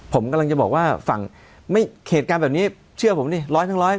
ผมกำลังจะบอกว่าฝั่งไม่เหตุการณ์แบบนี้เชื่อผมดิร้อยทั้งร้อย